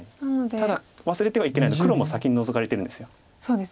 ただ忘れてはいけないのは黒も先にノゾかれてるんです。